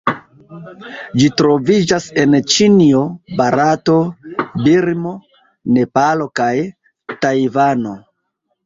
Ĝi troviĝas en Ĉinio, Barato, Birmo, Nepalo kaj Tajvano.